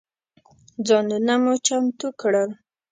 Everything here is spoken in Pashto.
ځانونه مو چمتو کړل.